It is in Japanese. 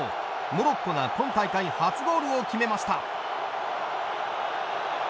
モロッコが今大会初ゴールを決めました。